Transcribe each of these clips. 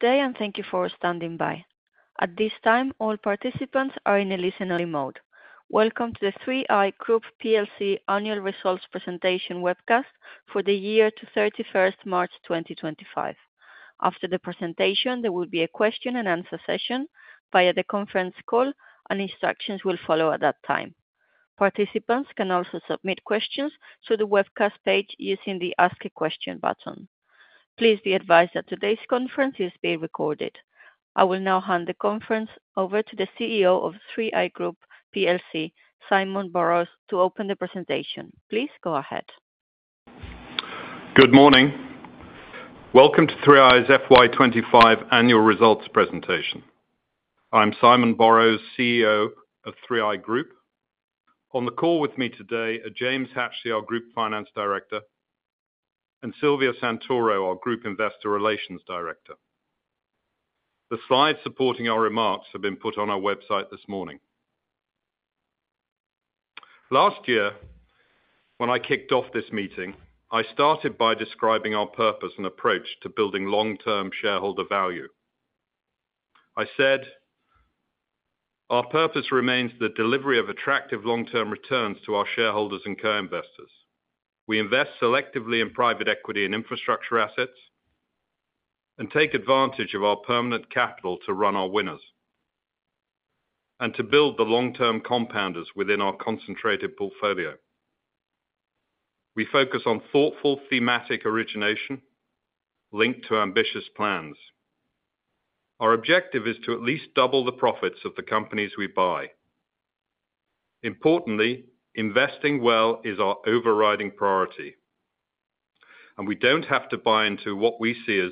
Good day, and thank you for standing by. At this time, all participants are in a listen-only mode. Welcome to the 3i Group PLC Annual Results Presentation webcast for the year 31st March, 2025. After the presentation, there will be a Q&A session via the conference call, and instructions will follow at that time. Participants can also submit questions through the webcast page using the Ask a Question button. Please be advised that today's conference is being recorded. I will now hand the conference over to the CEO of 3i Group PLC, Simon Borrows, to open the presentation. Please go ahead. Good morning. Welcome to 3i's FY25 Annual Results Presentation. I'm Simon Borrows, CEO of 3i Group. On the call with me today are James Hatchley, our Group Finance Director, and Silvia Santoro, our Group Investor Relations Director. The slides supporting our remarks have been put on our website this morning. Last year, when I kicked off this meeting, I started by describing our purpose and approach to building long-term shareholder value. I said, "Our purpose remains the delivery of attractive long-term returns to our shareholders and co-investors. We invest selectively in private equity and infrastructure assets and take advantage of our permanent capital to run our winners and to build the long-term compounders within our concentrated portfolio. We focus on thoughtful, thematic origination linked to ambitious plans. Our objective is to at least double the profits of the companies we buy. Importantly, investing well is our overriding priority, and we do not have to buy into what we see as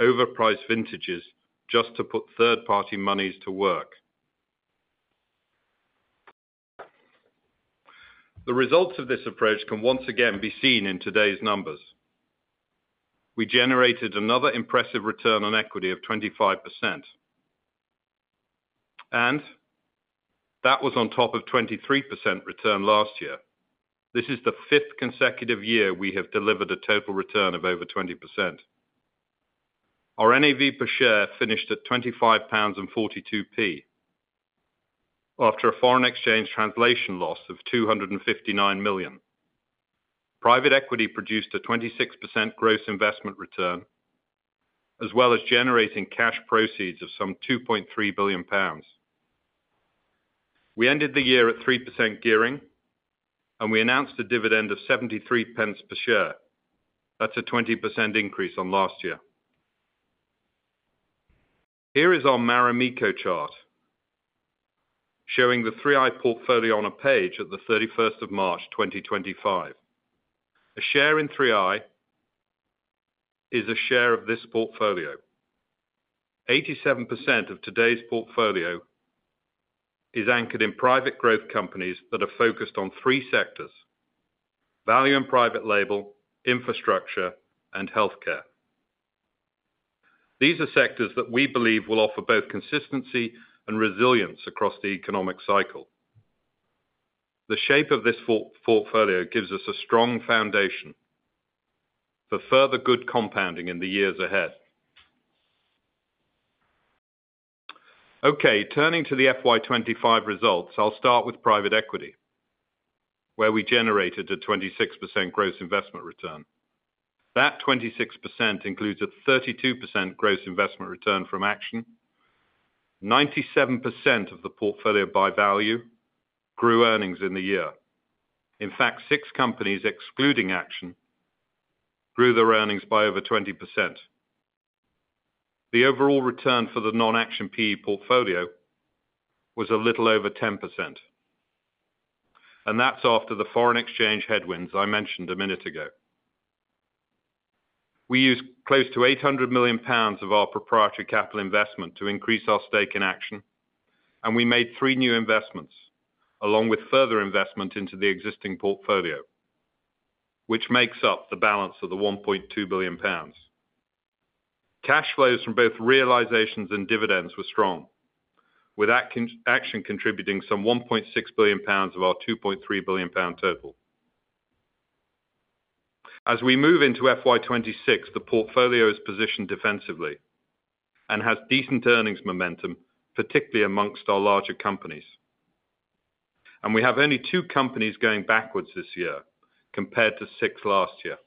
overpriced vintages just to put third-party money to work. The results of this approach can once again be seen in today's numbers. We generated another impressive return on equity of 25%, and that was on top of 23% return last year. This is the fifth consecutive year we have delivered a total return of over 20%. Our NAV per share finished at 25.42 pounds after a foreign exchange translation loss of 259 million. Private Equity produced a 26% gross investment return, as well as generating cash proceeds of some 2.3 billion pounds. We ended the year at 3% gearing, and we announced a dividend of 0.73 per share. That is a 20% increase on last year. Here is our Marimekko chart showing the 3i portfolio on a page at the 31st of March, 2025. A share in 3i is a share of this portfolio. 87% of today's portfolio is anchored in private growth companies that are focused on three sectors: value and private label, infrastructure, and healthcare. These are sectors that we believe will offer both consistency and resilience across the economic cycle. The shape of this portfolio gives us a strong foundation for further good compounding in the years ahead. Okay, turning to the FY2025 results, I'll start with private equity, where we generated a 26% gross investment return. That 26% includes a 32% gross investment return from Action. 97% of the portfolio by value grew earnings in the year. In fact, six companies excluding Action grew their earnings by over 20%. The overall return for the non-Action PE portfolio was a little over 10%, and that's after the foreign exchange headwinds I mentioned a minute ago. We used close to 800 million pounds of our proprietary capital investment to increase our stake in Action, and we made three new investments along with further investment into the existing portfolio, which makes up the balance of the 1.2 billion pounds. Cash flows from both realizations and dividends were strong, with Action contributing some 1.6 billion pounds of our 2.3 billion pound total. As we move into FY26, the portfolio is positioned defensively and has decent earnings momentum, particularly amongst our larger companies. We have only two companies going backwards this year compared to six last year.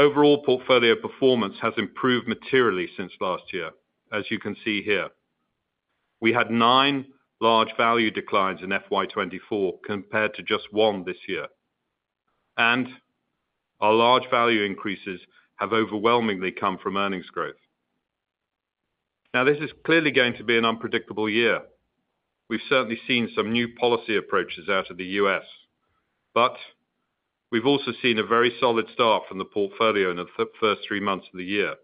Overall portfolio performance has improved materially since last year, as you can see here. We had nine large value declines in FY24 compared to just one this year, and our large value increases have overwhelmingly come from earnings growth. This is clearly going to be an unpredictable year. We've certainly seen some new policy approaches out of the U.S., but we've also seen a very solid start from the portfolio in the first three months of the year.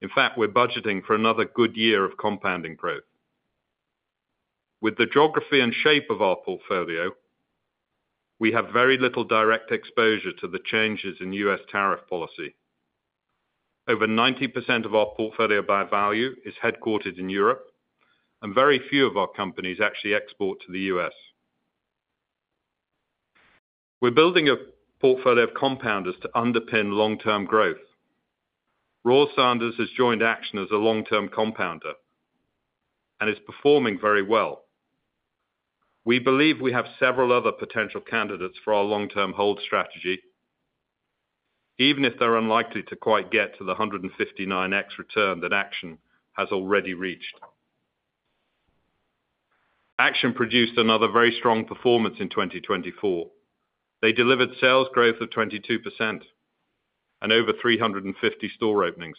In fact, we're budgeting for another good year of compounding growth. With the geography and shape of our portfolio, we have very little direct exposure to the changes in U.S. tariff policy. Over 90% of our portfolio by value is headquartered in Europe, and very few of our companies actually export to the U.S. We're building a portfolio of compounders to underpin long-term growth. Royal Sanders has joined Action as a long-term compounder and is performing very well. We believe we have several other potential candidates for our long-term hold strategy, even if they're unlikely to quite get to the 159x return that Action has already reached. Action produced another very strong performance in 2024. They delivered sales growth of 22% and over 350 store openings,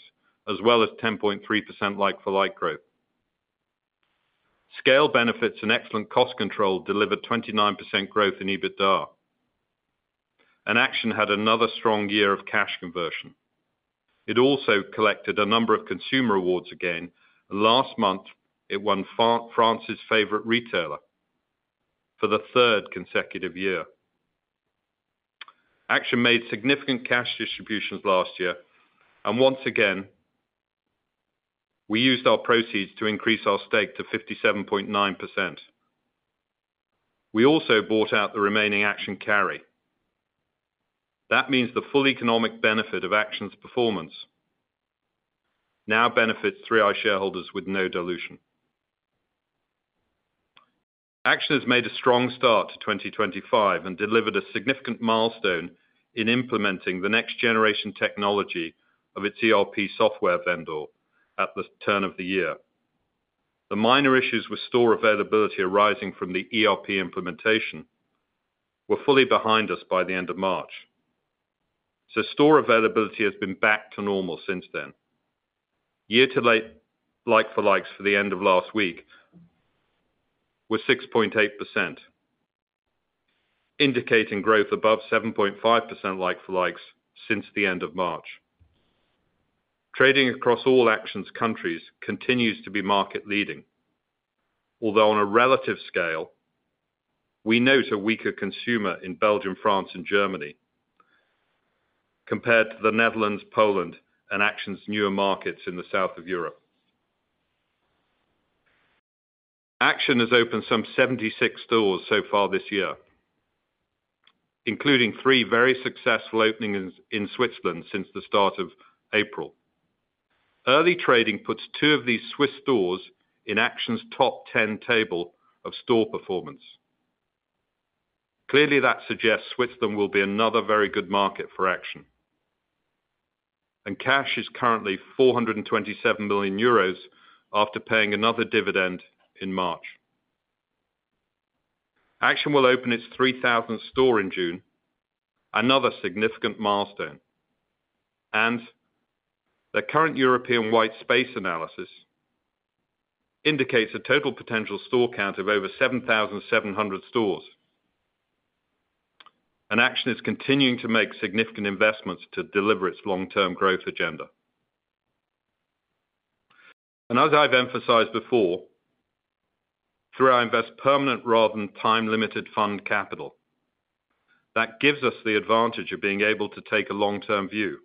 as well as 10.3% like-for-like growth. Scale benefits and excellent cost control delivered 29% growth in EBITDA, and Action had another strong year of cash conversion. It also collected a number of consumer awards again, and last month it won France's Favorite Retailer for the third consecutive year. Action made significant cash distributions last year, and once again we used our proceeds to increase our stake to 57.9%. We also bought out the remaining Action carry. That means the full economic benefit of Action's performance now benefits 3i shareholders with no dilution. Action has made a strong start to 2025 and delivered a significant milestone in implementing the next-generation technology of its ERP software vendor at the turn of the year. The minor issues with store availability arising from the ERP implementation were fully behind us by the end of March, so store availability has been back to normal since then. Year-to-date like-for-likes for the end of last week were 6.8%, indicating growth above 7.5% like-for-likes since the end of March. Trading across all Action's countries continues to be market-leading, although on a relative scale, we note a weaker consumer in Belgium, France, and Germany compared to the Netherlands, Poland, and Action's newer markets in the south of Europe. Action has opened some 76 stores so far this year, including three very successful openings in Switzerland since the start of April. Early trading puts two of these Swiss stores in Action's top 10 table of store performance. Clearly, that suggests Switzerland will be another very good market for Action, and cash is currently 427 million euros after paying another dividend in March. Action will open its 3,000th store in June, another significant milestone, and their current European white space analysis indicates a total potential store count of over 7,700 stores, and Action is continuing to make significant investments to deliver its long-term growth agenda. As I've emphasized before, 3i invests permanent rather than time-limited fund capital. That gives us the advantage of being able to take a long-term view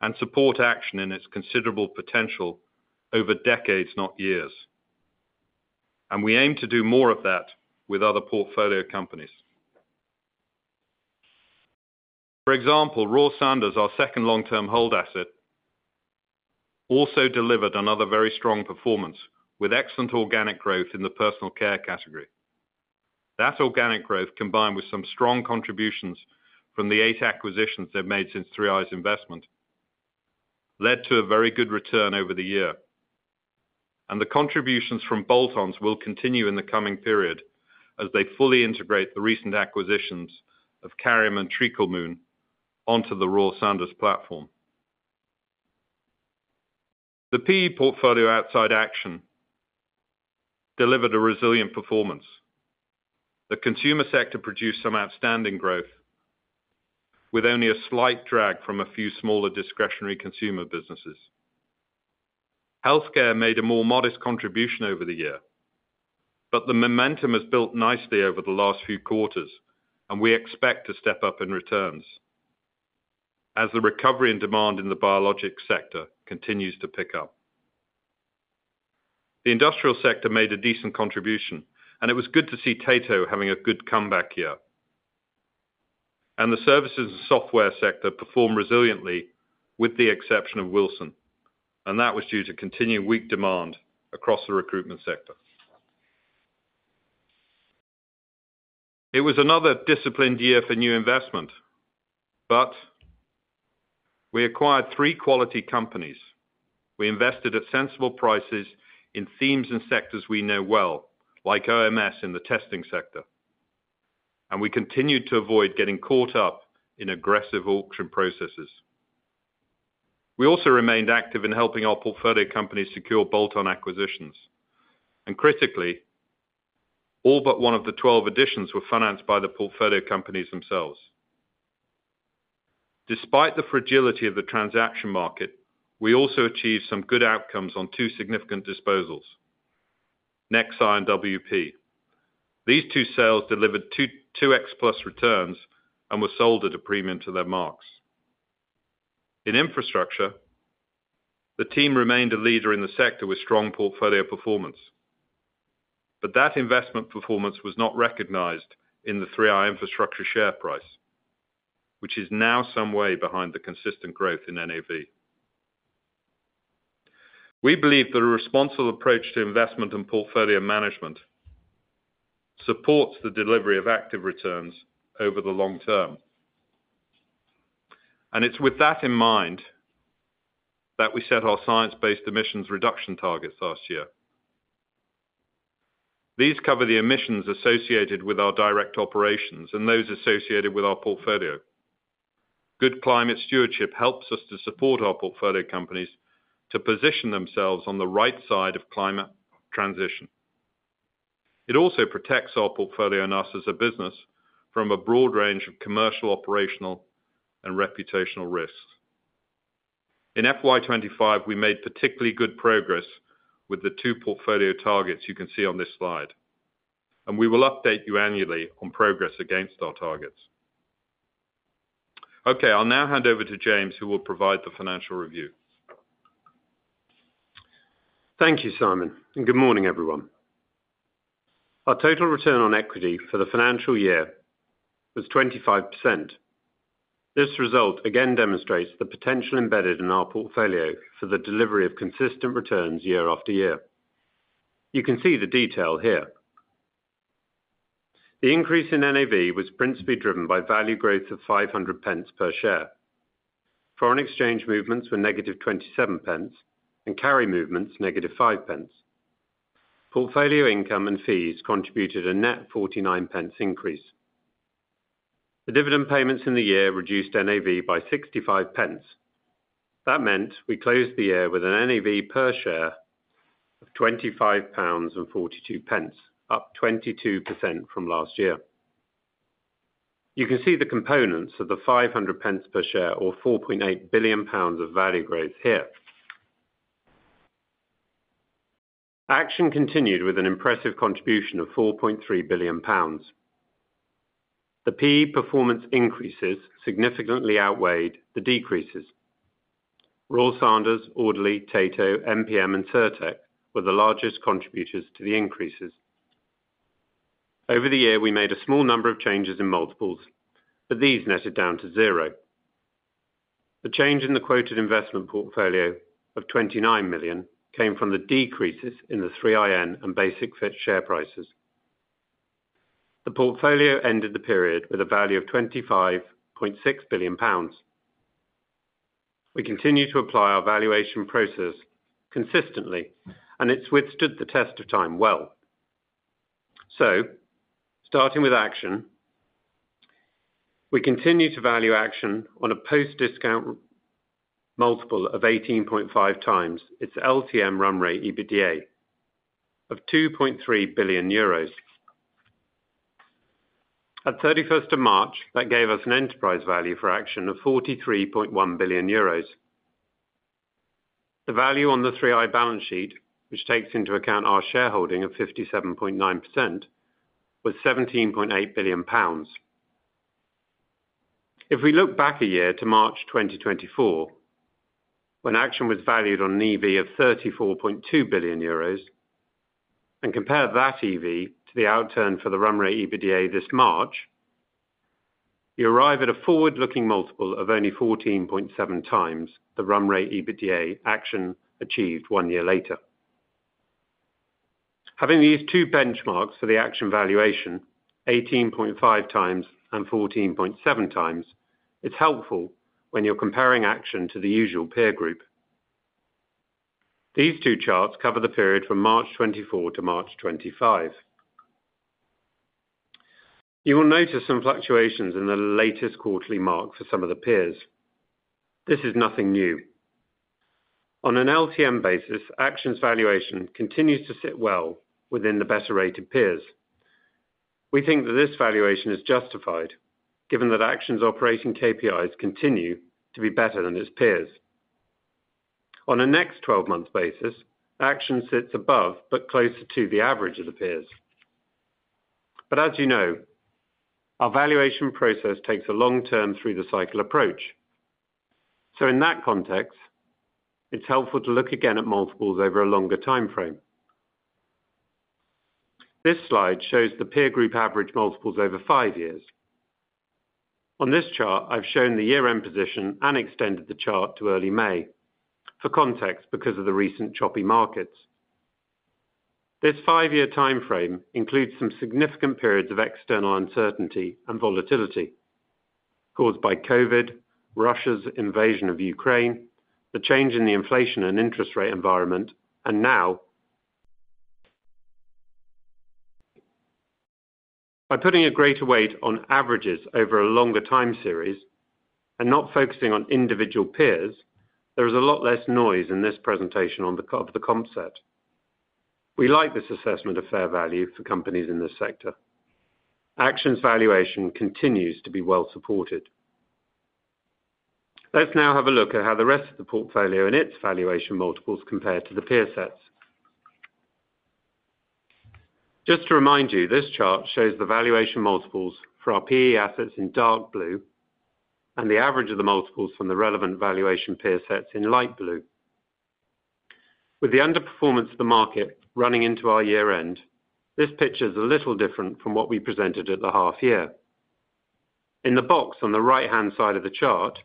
and support Action in its considerable potential over decades, not years, and we aim to do more of that with other portfolio companies. For example, Royal Sanders, our second long-term hold asset, also delivered another very strong performance with excellent organic growth in the personal care category. That organic growth, combined with some strong contributions from the eight acquisitions they've made since 3i's investment, led to a very good return over the year, and the contributions from bolt-ons will continue in the coming period as they fully integrate the recent acquisitions of Karium and Treaclemoon onto the Royal Sanders platform. The PE portfolio outside Action delivered a resilient performance. The consumer sector produced some outstanding growth, with only a slight drag from a few smaller discretionary consumer businesses. Healthcare made a more modest contribution over the year, but the momentum has built nicely over the last few quarters, and we expect to step up in returns as the recovery in demand in the biologics sector continues to pick up. The industrial sector made a decent contribution, and it was good to see Tato having a good comeback year, and the services and software sector performed resiliently with the exception of Wilson, and that was due to continued weak demand across the recruitment sector. It was another disciplined year for new investment, but we acquired three quality companies. We invested at sensible prices in themes and sectors we know well, like OMS in the testing sector, and we continued to avoid getting caught up in aggressive auction processes. We also remained active in helping our portfolio companies secure bolt-on acquisitions, and critically, all but one of the 12 additions were financed by the portfolio companies themselves. Despite the fragility of the transaction market, we also achieved some good outcomes on two significant disposals: Nexar and WP. These two sales delivered 2x plus returns and were sold at a premium to their marks. In Infrastructure, the team remained a leader in the sector with strong portfolio performance, but that investment performance was not recognized in the 3i Infrastructure share price, which is now some way behind the consistent growth in NAV. We believe that a responsible approach to investment and portfolio management supports the delivery of active returns over the long term, and it is with that in mind that we set our science-based emissions reduction targets last year. These cover the emissions associated with our direct operations and those associated with our portfolio. Good climate stewardship helps us to support our portfolio companies to position themselves on the right side of climate transition. It also protects our portfolio and us as a business from a broad range of commercial, operational, and reputational risks. In FY25, we made particularly good progress with the two portfolio targets you can see on this slide, and we will update you annually on progress against our targets. Okay, I'll now hand over to James, who will provide the financial review. Thank you, Simon, and good morning, everyone. Our total return on equity for the financial year was 25%. This result again demonstrates the potential embedded in our portfolio for the delivery of consistent returns year after year. You can see the detail here. The increase in NAV was principally driven by value growth of 0.50 per share. Foreign exchange movements were negative 0.27 and carry movements negative 0.05. Portfolio income and fees contributed a net 0.49 increase. The dividend payments in the year reduced NAV by 0.65. That meant we closed the year with an NAV per share of 25.42 pounds, up 22% from last year. You can see the components of the 500 per share, or 4.8 billion pounds of value growth here. Action continued with an impressive contribution of 4.3 billion pounds. The PE performance increases significantly outweighed the decreases. Royal Sanders, Audley, Tato, MPM, and Cirtec were the largest contributors to the increases. Over the year, we made a small number of changes in multiples, but these netted down to zero. The change in the quoted investment portfolio of 29 million came from the decreases in the 3iN and Basic Fit share prices. The portfolio ended the period with a value of 25.6 billion pounds. We continue to apply our valuation process consistently, and it has withstood the test of time well. Starting with Action, we continue to value Action on a post-discount multiple of 18.5 times its LTM run rate EBITDA of EUR 2.3 billion. At 31st of March, that gave us an enterprise value for Action of 43.1 billion euros. The value on the 3i balance sheet, which takes into account our shareholding of 57.9%, was 17.8 billion pounds. If we look back a year to March 2024, when Action was valued on an EV of 34.2 billion euros and compare that EV to the outturn for the run rate EBITDA this March, you arrive at a forward-looking multiple of only 14.7 times the run rate EBITDA Action achieved one year later. Having these two benchmarks for the Action valuation, 18.5 times and 14.7 times, it's helpful when you're comparing Action to the usual peer group. These two charts cover the period from March 2024 to March 2025. You will notice some fluctuations in the latest quarterly mark for some of the peers. This is nothing new. On an LTM basis, Action's valuation continues to sit well within the better-rated peers. We think that this valuation is justified, given that Action's operating KPIs continue to be better than its peers. On a next 12-month basis, Action sits above but closer to the average of the peers. As you know, our valuation process takes a long-term through-the-cycle approach, so in that context, it's helpful to look again at multiples over a longer time frame. This slide shows the peer group average multiples over five years. On this chart, I've shown the year-end position and extended the chart to early May for context because of the recent choppy markets. This five-year time frame includes some significant periods of external uncertainty and volatility caused by COVID, Russia's invasion of Ukraine, the change in the inflation and interest rate environment, and now. By putting a greater weight on averages over a longer time series and not focusing on individual peers, there is a lot less noise in this presentation of the comp set. We like this assessment of fair value for companies in this sector. Action's valuation continues to be well supported. Let's now have a look at how the rest of the portfolio and its valuation multiples compare to the peer sets. Just to remind you, this chart shows the valuation multiples for our PE assets in dark blue and the average of the multiples from the relevant valuation peer sets in light blue. With the underperformance of the market running into our year-end, this picture is a little different from what we presented at the half year. In the box on the right-hand side of the chart,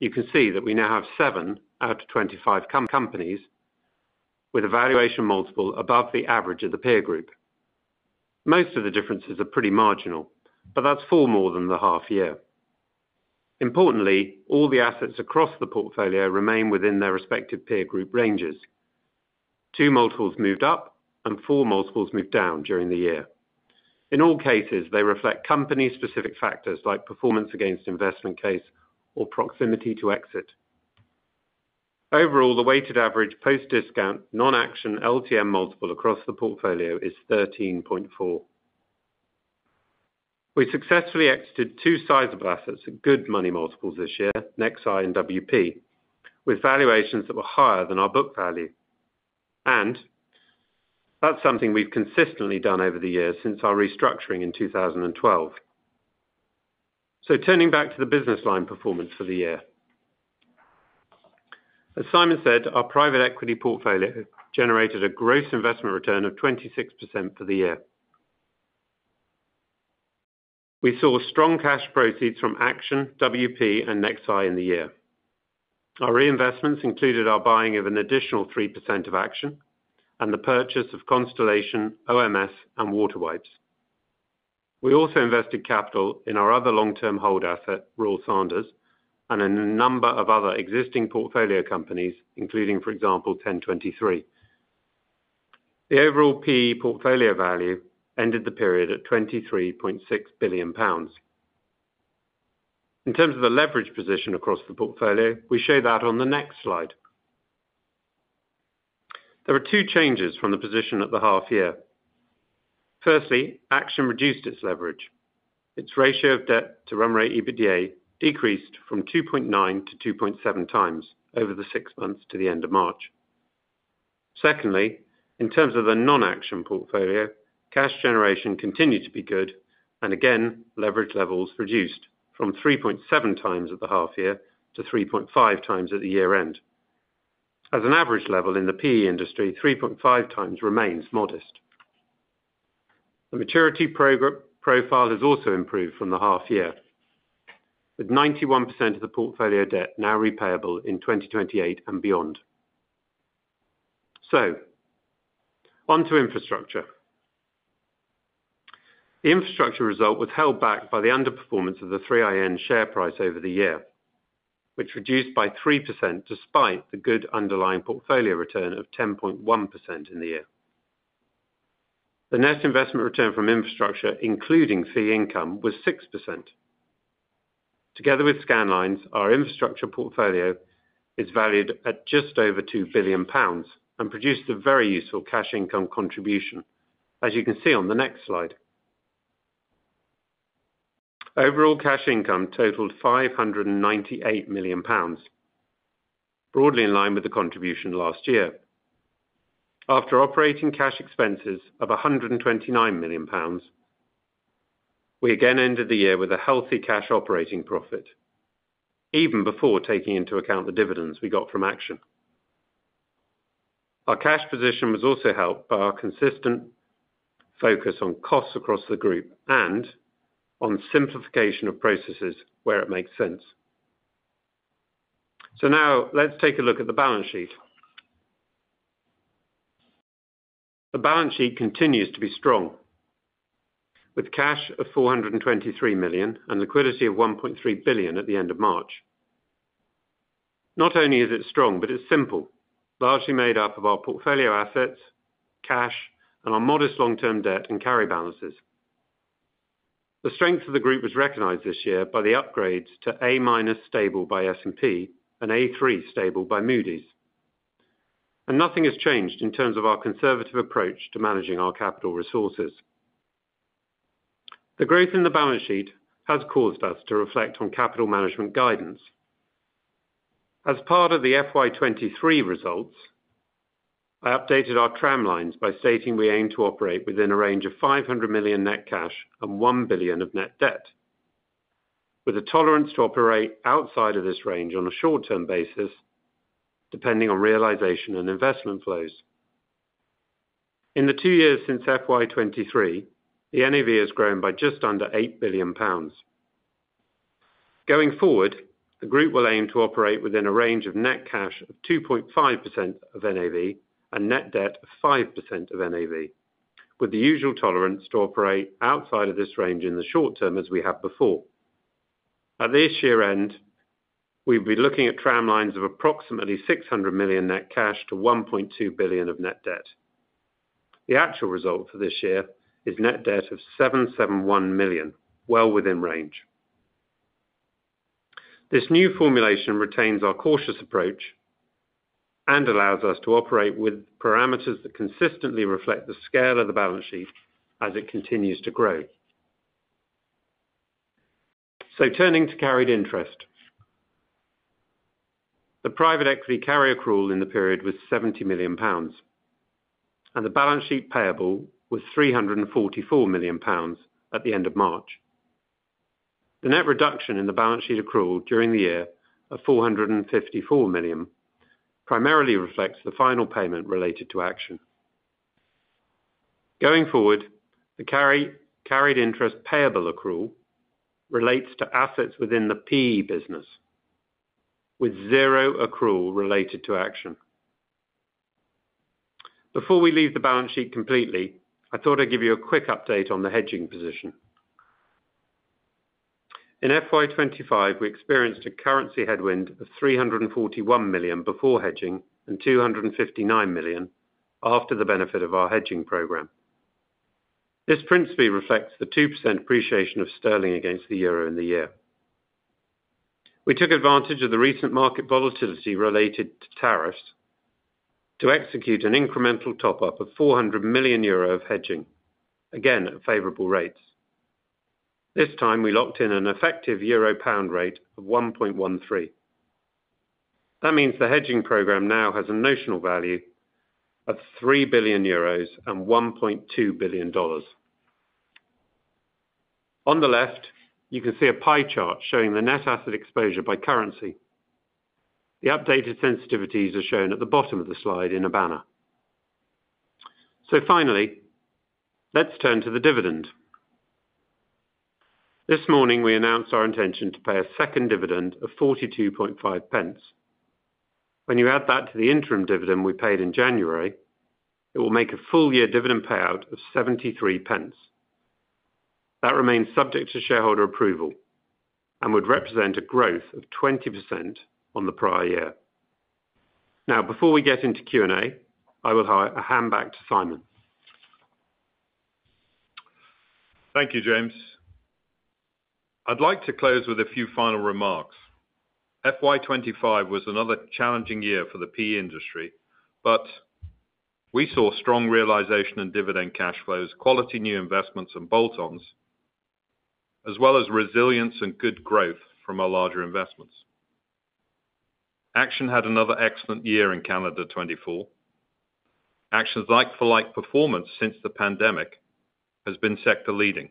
you can see that we now have seven out of 25 companies with a valuation multiple above the average of the peer group. Most of the differences are pretty marginal, but that's four more than the half year. Importantly, all the assets across the portfolio remain within their respective peer group ranges. Two multiples moved up and four multiples moved down during the year. In all cases, they reflect company-specific factors like performance against investment case or proximity to exit. Overall, the weighted average post-discount non-Action LTM multiple across the portfolio is 13.4. We successfully exited two sizable assets at good money multiples this year, Nexar and WP, with valuations that were higher than our book value, and that's something we've consistently done over the years since our restructuring in 2012. Turning back to the business line performance for the year. As Simon said, our private equity portfolio generated a gross investment return of 26% for the year. We saw strong cash proceeds from Action, WP, and Nexar in the year. Our reinvestments included our buying of an additional 3% of Action and the purchase of Constellation, OMS, and WaterWipes. We also invested capital in our other long-term hold asset, Royal Sanders, and in a number of other existing portfolio companies, including, for example, ten23. The overall PE portfolio value ended the period at 23.6 billion pounds. In terms of the leverage position across the portfolio, we show that on the next slide. There are two changes from the position at the half year. Firstly, Action reduced its leverage. Its ratio of debt to run rate EBITDA decreased from 2.9 to 2.7 times over the six months to the end of March. Secondly, in terms of the non-Action portfolio, cash generation continued to be good, and again, leverage levels reduced from 3.7 times at the half year to 3.5 times at the year-end. As an average level in the PE industry, 3.5 times remains modest. The maturity profile has also improved from the half year, with 91% of the portfolio debt now repayable in 2028 and beyond. On to infrastructure. The infrastructure result was held back by the underperformance of the 3iN share price over the year, which reduced by 3% despite the good underlying portfolio return of 10.1% in the year. The net investment return from infrastructure, including fee income, was 6%. Together with Scandlines, our infrastructure portfolio is valued at just over 2 billion pounds and produced a very useful cash income contribution, as you can see on the next slide. Overall cash income totaled 598 million pounds, broadly in line with the contribution last year. After operating cash expenses of 129 million pounds, we again ended the year with a healthy cash operating profit, even before taking into account the dividends we got from Action. Our cash position was also helped by our consistent focus on costs across the group and on simplification of processes where it makes sense. Now, let's take a look at the balance sheet. The balance sheet continues to be strong, with cash of 423 million and liquidity of 1.3 billion at the end of March. Not only is it strong, but it's simple, largely made up of our portfolio assets, cash, and our modest long-term debt and carry balances. The strength of the group was recognized this year by the upgrades to A- stable by S&P and A-3 stable by Moody's. Nothing has changed in terms of our conservative approach to managing our capital resources. The growth in the balance sheet has caused us to reflect on capital management guidance. As part of the FY23 results, I updated our tram lines by stating we aim to operate within a range of 500 million net cash and 1 billion of net debt, with a tolerance to operate outside of this range on a short-term basis, depending on realization and investment flows. In the two years since FY23, the NAV has grown by just under 8 billion pounds. Going forward, the group will aim to operate within a range of net cash of 2.5% of NAV and net debt of 5% of NAV, with the usual tolerance to operate outside of this range in the short term as we have before. At this year-end, we will be looking at tram lines of approximately 600 million net cash to 1.2 billion of net debt. The actual result for this year is net debt of 771 million, well within range. This new formulation retains our cautious approach and allows us to operate with parameters that consistently reflect the scale of the balance sheet as it continues to grow. Turning to carried interest, the private equity carry accrual in the period was 70 million pounds, and the balance sheet payable was 344 million pounds at the end of March. The net reduction in the balance sheet accrual during the year of 454 million primarily reflects the final payment related to Action. Going forward, the carried interest payable accrual relates to assets within the PE business, with zero accrual related to Action. Before we leave the balance sheet completely, I thought I'd give you a quick update on the hedging position. In FY25, we experienced a currency headwind of 341 million before hedging and 259 million after the benefit of our hedging program. This principally reflects the 2% appreciation of sterling against the euro in the year. We took advantage of the recent market volatility related to tariffs to execute an incremental top-up of 400 million euro of hedging, again at favorable rates. This time, we locked in an effective euro/pound rate of 1.13. That means the hedging program now has a notional value of 3 billion euros and $1.2 billion. On the left, you can see a pie chart showing the net asset exposure by currency. The updated sensitivities are shown at the bottom of the slide in a banner. Finally, let's turn to the dividend. This morning, we announced our intention to pay a second dividend of 0.425. When you add that to the interim dividend we paid in January, it will make a full-year dividend payout of 0.73. That remains subject to shareholder approval and would represent a growth of 20% on the prior year. Now, before we get into Q&A, I will hand back to Simon. Thank you, James. I would like to close with a few final remarks. FY25 was another challenging year for the PE industry, but we saw strong realization and dividend cash flows, quality new investments and bolt-ons, as well as resilience and good growth from our larger investments. Action had another excellent year in calendar 2024. Action's like-for-like performance since the pandemic has been sector-leading.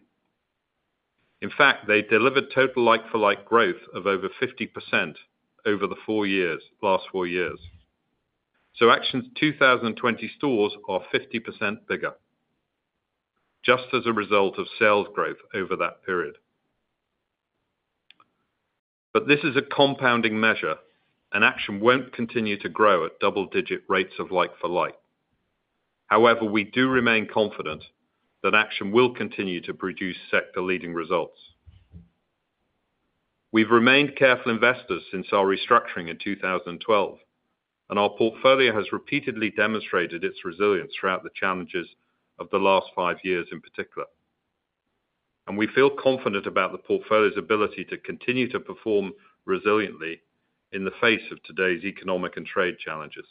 In fact, they delivered total like-for-like growth of over 50% over the last four years. Action's 2020 stores are 50% bigger, just as a result of sales growth over that period. This is a compounding measure, and Action will not continue to grow at double-digit rates of like-for-like. However, we do remain confident that Action will continue to produce sector-leading results. We have remained careful investors since our restructuring in 2012, and our portfolio has repeatedly demonstrated its resilience throughout the challenges of the last five years in particular. We feel confident about the portfolio's ability to continue to perform resiliently in the face of today's economic and trade challenges.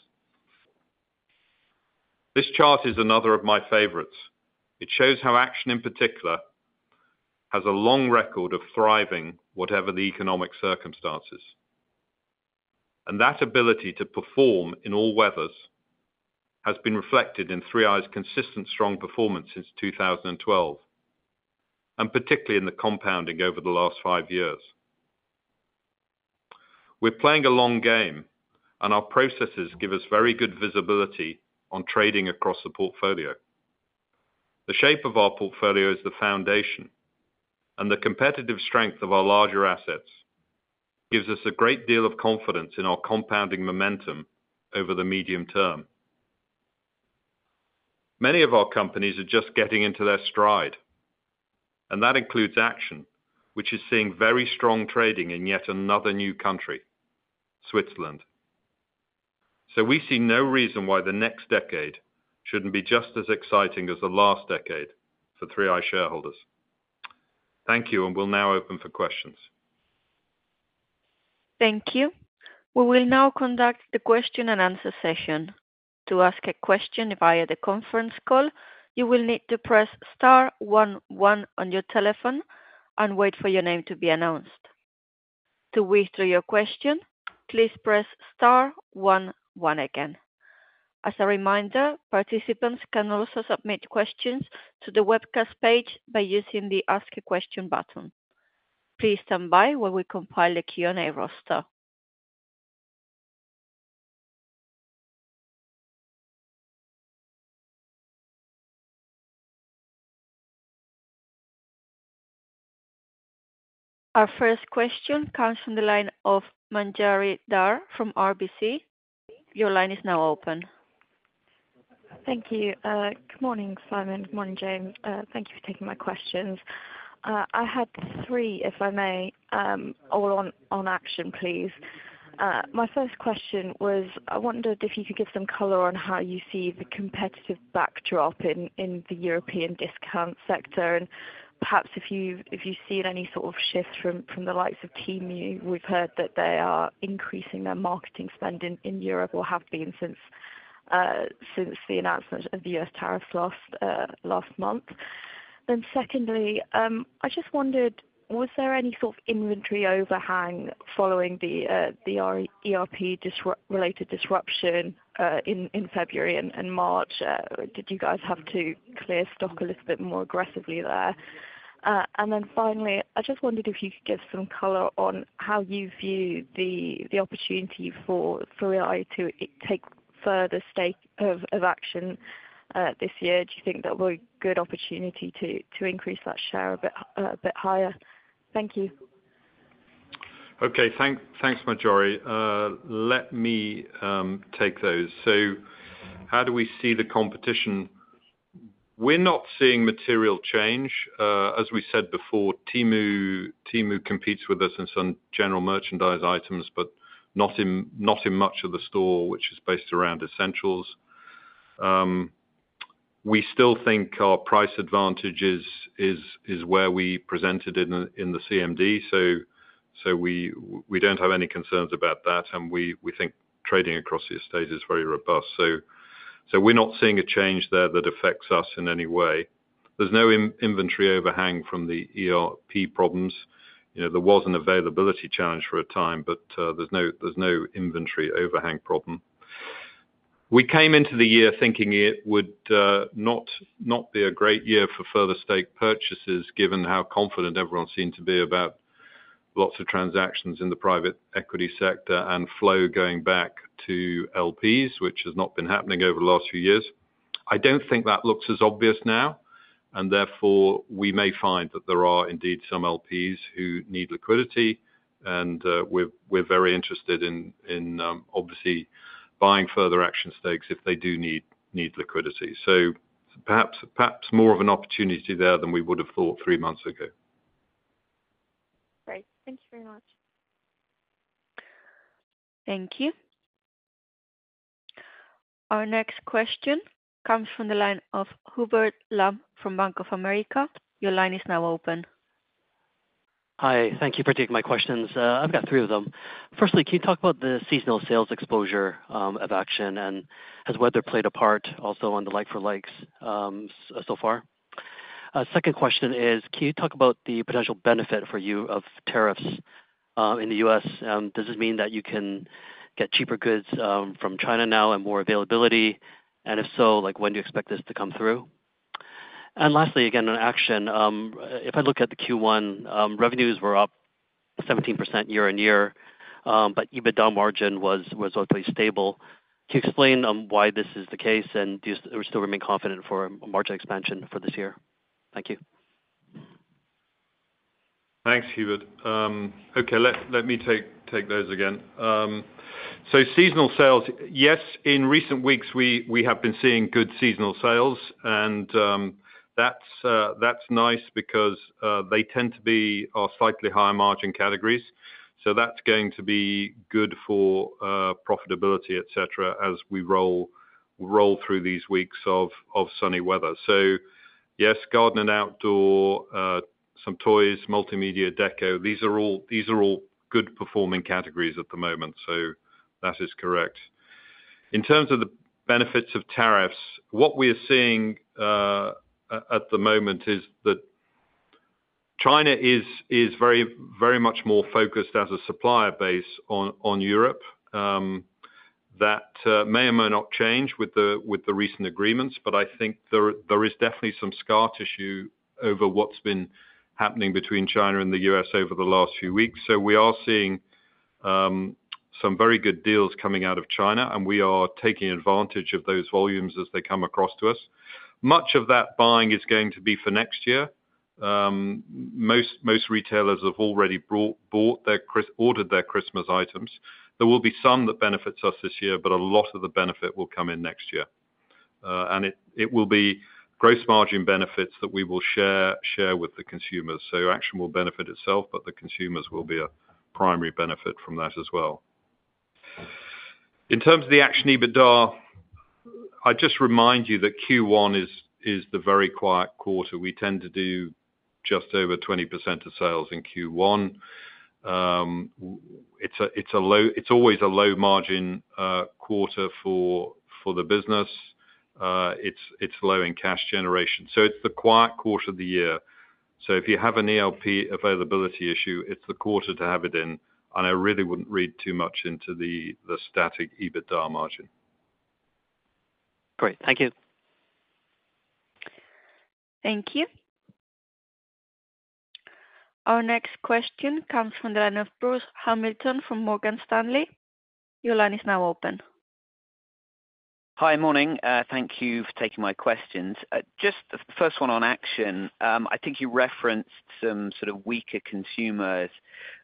This chart is another of my favorites. It shows how Action, in particular, has a long record of thriving whatever the economic circumstances. That ability to perform in all weathers has been reflected in 3i's consistent strong performance since 2012, and particularly in the compounding over the last five years. We are playing a long game, and our processes give us very good visibility on trading across the portfolio. The shape of our portfolio is the foundation, and the competitive strength of our larger assets gives us a great deal of confidence in our compounding momentum over the medium term. Many of our companies are just getting into their stride, and that includes Action, which is seeing very strong trading in yet another new country, Switzerland. We see no reason why the next decade should not be just as exciting as the last decade for 3i shareholders. Thank you, and we will now open for questions. Thank you. We will now conduct the Q&A session. To ask a question via the conference call, you will need to press star one one on your telephone and wait for your name to be announced. To withdraw your question, please press star one one again. As a reminder, participants can also submit questions to the webcast page by using the Ask a Question button. Please stand by while we compile the Q&A roster. Our first question comes from the line of Manjari Dhar from RBC. Your line is now open. Thank you. Good morning, Simon. Good morning, James. Thank you for taking my questions. I had three, if I may, all on Action, please. My first question was, I wondered if you could give some color on how you see the competitive backdrop in the European discount sector, and perhaps if you've seen any sort of shift from the likes of Temu. We've heard that they are increasing their marketing spend in Europe, or have been since the announcement of the U.S. tariffs last month. Secondly, I just wondered, was there any sort of inventory overhang following the ERP-related disruption in February and March? Did you guys have to clear stock a little bit more aggressively there? Finally, I just wondered if you could give some color on how you view the opportunity for 3i to take further stake of Action this year. Do you think that would be a good opportunity to increase that share a bit higher? Thank you. Okay. Thanks, Manjari. Let me take those. How do we see the competition? We're not seeing material change. As we said before, Temu competes with us in some general merchandise items, but not in much of the store, which is based around essentials. We still think our price advantage is where we presented in the CMD, so we do not have any concerns about that, and we think trading across the estate is very robust. We are not seeing a change there that affects us in any way. There is no inventory overhang from the ERP problems. There was an availability challenge for a time, but there is no inventory overhang problem. We came into the year thinking it would not be a great year for further stake purchases, given how confident everyone seemed to be about lots of transactions in the private equity sector and flow going back to LPs, which has not been happening over the last few years. I don't think that looks as obvious now, and therefore we may find that there are indeed some LPs who need liquidity, and we're very interested in obviously buying further Action stakes if they do need liquidity. Perhaps more of an opportunity there than we would have thought three months ago. Great. Thank you very much. Thank you. Our next question comes from the line of Hubert Lam from Bank of America. Your line is now open. Hi. Thank you for taking my questions. I've got three of them. Firstly, can you talk about the seasonal sales exposure of Action and has weather played a part also on the like-for-likes so far? Second question is, can you talk about the potential benefit for you of tariffs in the U.S.? Does this mean that you can get cheaper goods from China now and more availability? If so, when do you expect this to come through? Lastly, again, on Action, if I look at the Q1, revenues were up 17% year-on-year, but EBITDA margin was relatively stable. Can you explain why this is the case and do you still remain confident for margin expansion for this year? Thank you. Thanks, Hubert. Okay. Let me take those again. Seasonal sales, yes, in recent weeks we have been seeing good seasonal sales, and that is nice because they tend to be our slightly higher margin categories. That is going to be good for profitability, etc., as we roll through these weeks of sunny weather. Yes, garden and outdoor, some toys, multimedia, decor, these are all good-performing categories at the moment. That is correct. In terms of the benefits of tariffs, what we are seeing at the moment is that China is very much more focused as a supplier base on Europe. That may or may not change with the recent agreements, but I think there is definitely some scar tissue over what has been happening between China and the U.S. over the last few weeks. We are seeing some very good deals coming out of China, and we are taking advantage of those volumes as they come across to us. Much of that buying is going to be for next year. Most retailers have already ordered their Christmas items. There will be some that benefit us this year, but a lot of the benefit will come in next year. It will be gross margin benefits that we will share with the consumers. Action will benefit itself, but the consumers will be a primary benefit from that as well. In terms of the Action EBITDA, I just remind you that Q1 is the very quiet quarter. We tend to do just over 20% of sales in Q1. It's always a low-margin quarter for the business. It's low in cash generation. It's the quiet quarter of the year. If you have an ELP availability issue, it's the quarter to have it in, and I really wouldn't read too much into the static EBITDA margin. Great. Thank you. Thank you. Our next question comes from the line of Bruce Hamilton from Morgan Stanley. Your line is now open. Hi. Morning. Thank you for taking my questions. Just the first one on Action, I think you referenced some sort of weaker consumers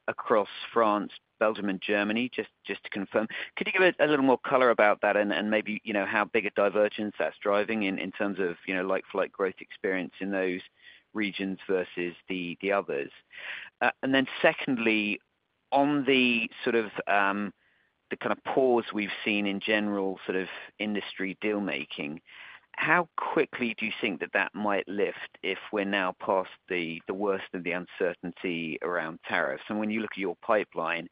across France, Belgium, and Germany, just to confirm. Could you give a little more color about that and maybe how big a divergence that's driving in terms of like-for-like growth experience in those regions versus the others? Secondly, on the sort of the kind of pause we've seen in general sort of industry dealmaking, how quickly do you think that that might lift if we're now past the worst of the uncertainty around tariffs? When you look at your pipeline,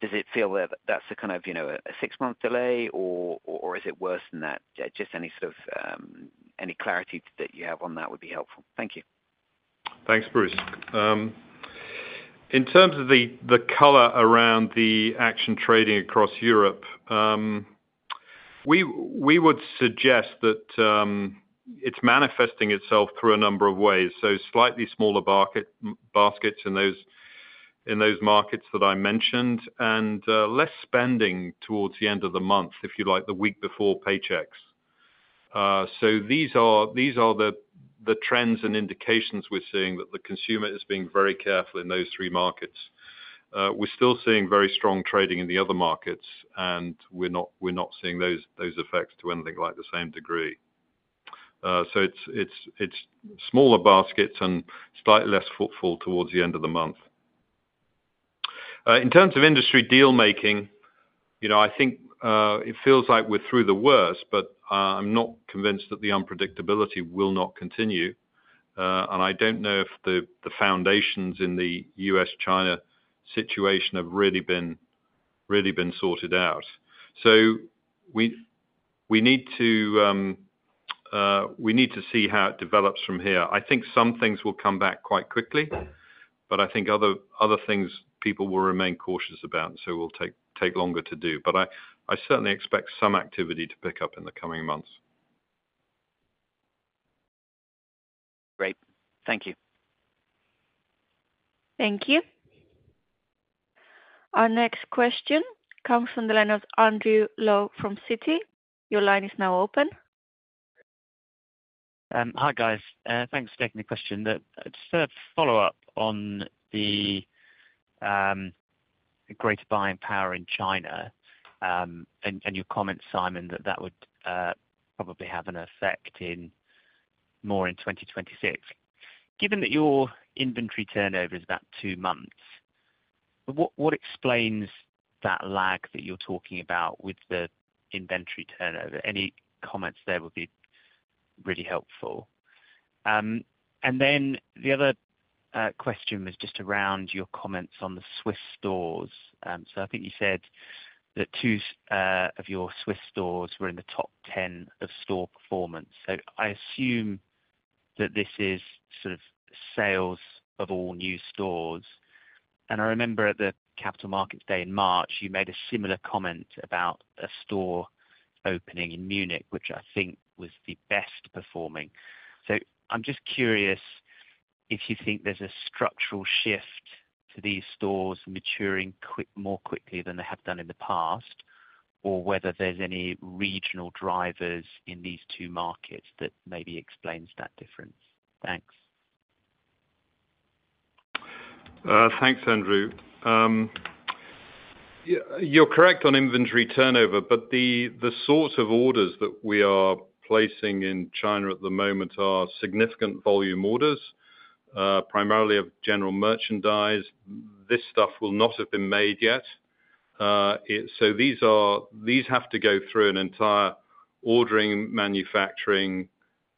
does it feel that that's a kind of a six-month delay, or is it worse than that? Just any sort of clarity that you have on that would be helpful. Thank you. Thanks, Bruce. In terms of the color around the Action trading across Europe, we would suggest that it's manifesting itself through a number of ways. Slightly smaller baskets in those markets that I mentioned and less spending towards the end of the month, if you like, the week before paychecks. These are the trends and indications we're seeing that the consumer is being very careful in those three markets. We're still seeing very strong trading in the other markets, and we're not seeing those effects to anything like the same degree. It's smaller baskets and slightly less footfall towards the end of the month. In terms of industry dealmaking, I think it feels like we're through the worst, but I'm not convinced that the unpredictability will not continue. I don't know if the foundations in the U.S.-China situation have really been sorted out. We need to see how it develops from here. I think some things will come back quite quickly, but I think other things people will remain cautious about, so it will take longer to do. I certainly expect some activity to pick up in the coming months. Great. Thank you. Thank you. Our next question comes from the line of Andrew Lowe from Citi. Your line is now open. Hi, guys. Thanks for taking the question. Just a follow-up on the greater buying power in China and your comment, Simon, that that would probably have an effect more in 2026. Given that your inventory turnover is about two months, what explains that lag that you're talking about with the inventory turnover? Any comments there would be really helpful. The other question was just around your comments on the Swiss stores. I think you said that two of your Swiss stores were in the top 10 of store performance. I assume that this is sort of sales of all new stores. I remember at the capital markets day in March, you made a similar comment about a store opening in Munich, which I think was the best performing. I'm just curious if you think there's a structural shift to these stores maturing more quickly than they have done in the past, or whether there's any regional drivers in these two markets that maybe explains that difference. Thanks. Thanks, Andrew. You're correct on inventory turnover, but the sort of orders that we are placing in China at the moment are significant volume orders, primarily of general merchandise. This stuff will not have been made yet. These have to go through an entire ordering, manufacturing,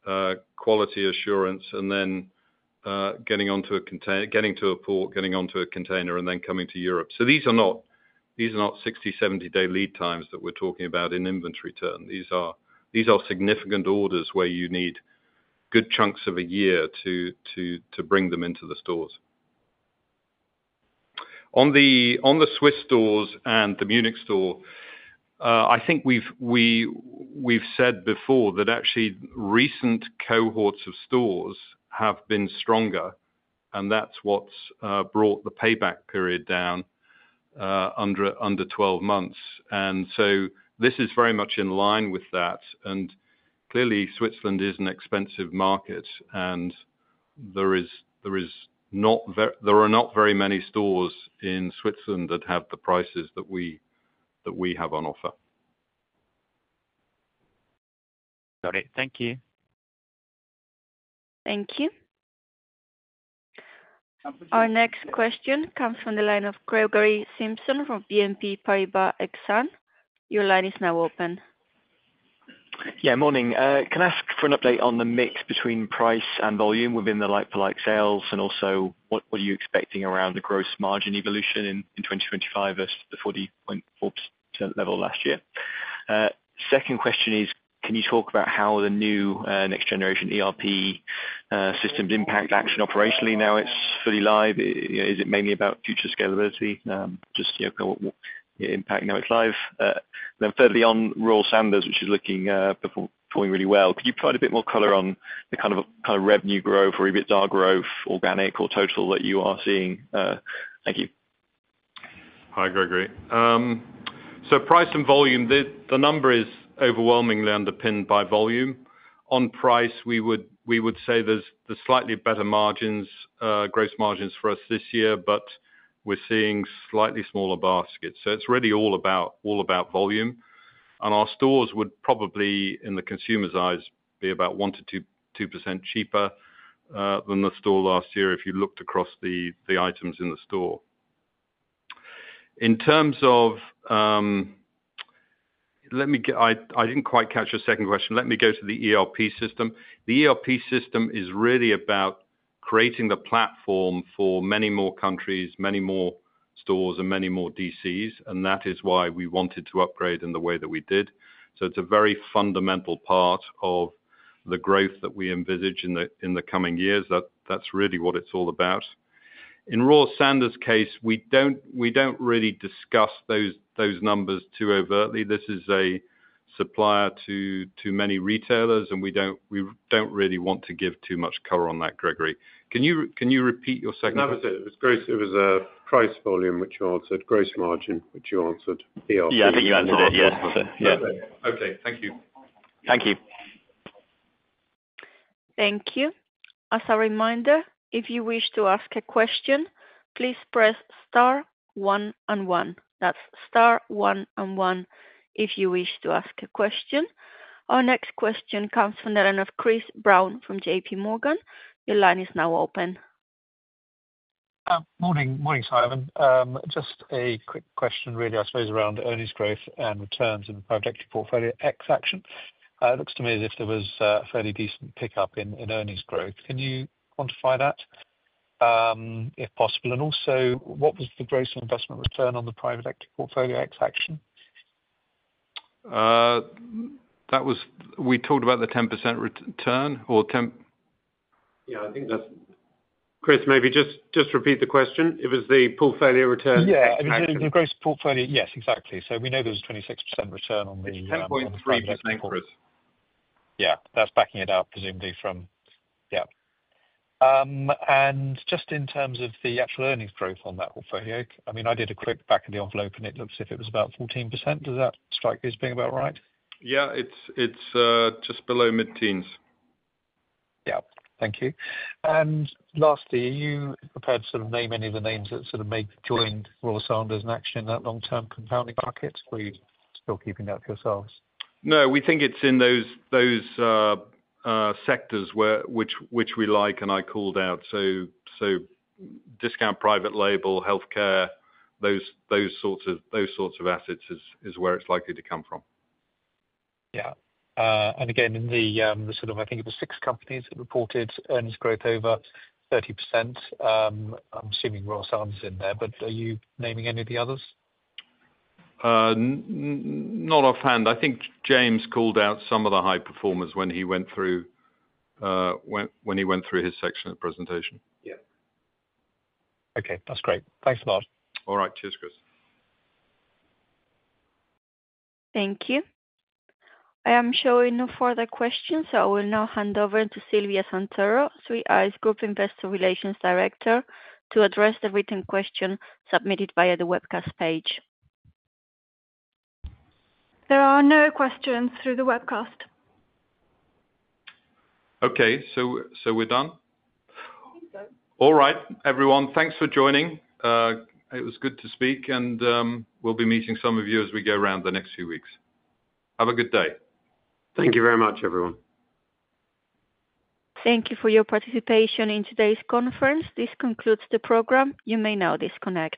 quality assurance, and then getting onto a port, getting onto a container, and then coming to Europe. These are not 60-70 day lead times that we're talking about in inventory turn. These are significant orders where you need good chunks of a year to bring them into the stores. On the Swiss stores and the Munich store, I think we've said before that actually recent cohorts of stores have been stronger, and that's what's brought the payback period down under 12 months. This is very much in line with that. Clearly, Switzerland is an expensive market, and there are not very many stores in Switzerland that have the prices that we have on offer. Got it. Thank you. Thank you. Our next question comes from the line of Gregory Simpson from BNP Paribas Exane. Your line is now open. Yeah. Morning. Can I ask for an update on the mix between price and volume within the like-for-like sales, and also what are you expecting around the gross margin evolution in 2025 versus the 40.4% level last year? Second question is, can you talk about how the new next-generation ERP systems impact Action operationally now it's fully live? Is it mainly about future scalability? Just kind of what impact now it's live. Then further beyond, Royal Sanders, which is performing really well. Could you provide a bit more color on the kind of revenue growth or EBITDA growth, organic or total, that you are seeing? Thank you. Hi, Gregory. So price and volume, the number is overwhelmingly underpinned by volume. On price, we would say there's slightly better gross margins for us this year, but we're seeing slightly smaller baskets. It is really all about volume. Our stores would probably, in the consumer's eyes, be about 1-2% cheaper than the store last year if you looked across the items in the store. In terms of I did not quite catch your second question. Let me go to the ERP system. The ERP system is really about creating the platform for many more countries, many more stores, and many more DCs, and that is why we wanted to upgrade in the way that we did. It is a very fundamental part of the growth that we envisage in the coming years. That is really what it is all about. In Royal Sanders' case, we do not really discuss those numbers too overtly. This is a supplier to many retailers, and we do not really want to give too much color on that, Gregory. Can you repeat your second question? No, it was a price volume, which you answered. Gross margin, which you answered. ERP. Yeah, I think you answered it. Yes. Okay. Thank you. Thank you. Thank you. As a reminder, if you wish to ask a question, please press star one and one. That is star one and one if you wish to ask a question. Our next question comes from the line of Chris Brown from JP Morgan. Your line is now open. Morning, Simon. Just a quick question, really, I suppose, around earnings growth and returns in the private equity portfolio ex Action. It looks to me as if there was a fairly decent pickup in earnings growth. Can you quantify that, if possible? And also, what was the gross investment return on the private equity portfolio ex Action? We talked about the 10% return or 10. Yeah. I think that is Chris, maybe just repeat the question. It was the pool failure return? Yeah. The gross portfolio. Yes, exactly. We know there was a 26% return on the. 10.3% growth. Yeah. That is backing it up, presumably, from yeah. Just in terms of the actual earnings growth on that portfolio, I mean, I did a quick back of the envelope, and it looks as if it was about 14%. Does that strike you as being about right? Yeah. It is just below mid-teens. Yeah. Thank you. Lastly, are you prepared to name any of the names that sort of may join Royal Sanders and Action in that long-term compounding market? Are you still keeping that to yourselves? No. We think it is in those sectors which we like, and I called out. Discount private label, healthcare, those sorts of assets is where it is likely to come from. Yeah. Again, in the sort of, I think it was six companies that reported earnings growth over 30%. I'm assuming Royal Sanders is in there, but are you naming any of the others? Not offhand. I think James called out some of the high performers when he went through his section of the presentation. Yeah. Okay. That's great. Thanks a lot. All right. Cheers, Chris. Thank you. I am showing no further questions, so I will now hand over to Silvia Santoro, 3i's Group Investor Relations Director, to address the written question submitted via the webcast page. There are no questions through the webcast. Okay. So we're done? I think so. All right, everyone. Thanks for joining. It was good to speak, and we'll be meeting some of you as we go around the next few weeks. Have a good day. Thank you very much, everyone. Thank you for your participation in today's conference. This concludes the program. You may now disconnect.